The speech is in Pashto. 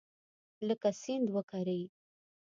لکه سیند وکرې